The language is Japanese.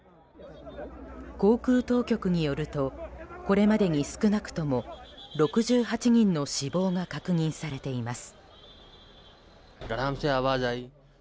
航空当局によるとこれまでに少なくとも６８人の死亡が確認されています。